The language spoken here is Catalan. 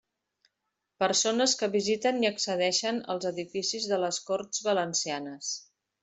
Persones que visiten i accedeixen als edificis de les Corts Valencianes.